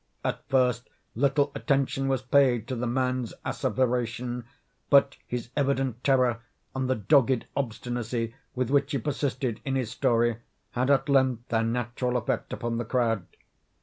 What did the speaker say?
At first little attention was paid to the man's asseveration; but his evident terror, and the dogged obstinacy with which he persisted in his story, had at length their natural effect upon the crowd.